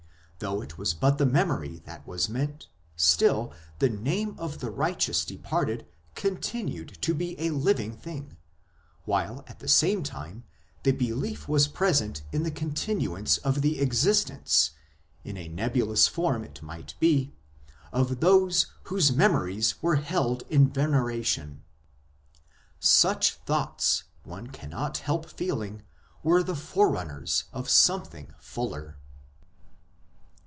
Though it was but the memory that was meant, still the name of the righteous departed continued to be a living thing, while at the same time the belief was present in the continuance of the existence, in a nebulous form it might be, of those whose memories were held in veneration. Such thoughts, one cannot help feeling, were the forerunners of something fuller.